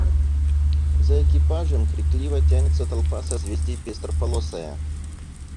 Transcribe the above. За экипажем крикливо тянется толпа созвездий пестрополосая.